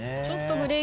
ちょっと！